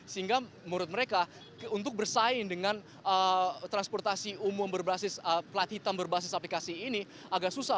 sehingga menurut mereka untuk bersaing dengan transportasi umum berbasis plat hitam berbasis aplikasi ini agak susah